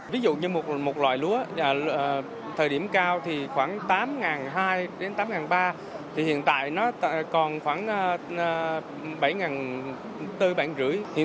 ví dụ như một loại lúa thời điểm cao thì khoảng tám hai trăm linh đến tám ba trăm linh thì hiện tại nó còn khoảng bảy bốn trăm linh bạn rưỡi